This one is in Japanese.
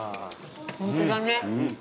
ホントだね。